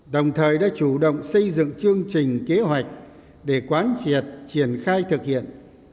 đồng thời đã chủ động xây dựng chương trình kế hoạch để quán triệt triển khai thực hiện